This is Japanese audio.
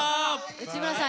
内村さん